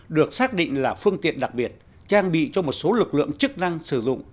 được xác định là phương tiện đặc biệt trang bị cho một số lực lượng chức năng sử dụng